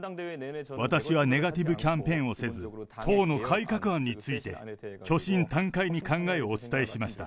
私はネガティブキャンペーンをせず、党の改革案について、虚心坦懐に考えをお伝えしました。